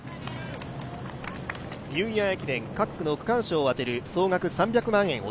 ニューイヤー駅伝、各区の区間賞を当てる総額３００万円